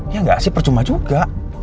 ya nggak sih percuma juga